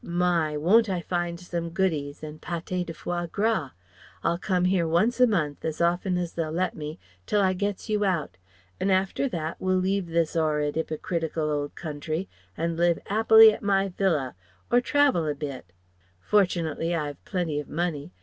My! won't I find some goodies, and paté de foie gras. I'll come here once a month, as often as they'll let me, till I gets you out. 'N after that, we'll leave this 'orrid, 'yprocritical old country and live 'appily at my Villa, or travel a bit. Fortunately I've plenty of money.